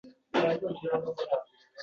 Ikki-uch boradigan joylari boʻlardi.